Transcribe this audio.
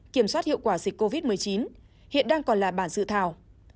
kiểm soát hiệu quả dịch covid một mươi chín hiện đang còn là bản dự thảo